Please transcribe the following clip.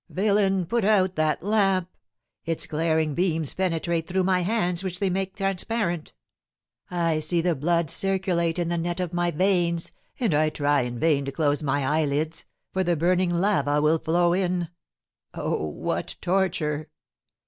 "Villain, put out that lamp! Its glaring beams penetrate through my hands, which they make transparent. I see the blood circulate in the net of my veins, and I try in vain to close my eyelids, for the burning lava will flow in. Oh, what torture!